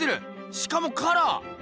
しかもカラー！